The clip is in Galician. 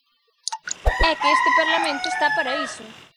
É que este parlamento está para iso.